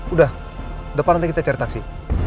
udah depan nanti kita cari taksi